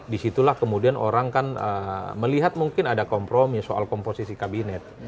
disitulah kemudian orang kan melihat mungkin ada kompromi soal komposisi kabinet